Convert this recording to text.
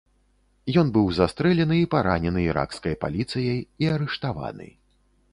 Ён быў застрэлены і паранены іракскай паліцыяй і арыштаваны.